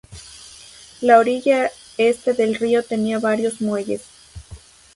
La orilla este del río tenía varios muelles.